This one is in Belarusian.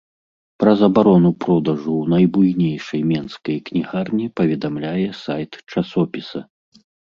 Пра забарону продажу ў найбуйнейшай менскай кнігарні паведамляе сайт часопіса.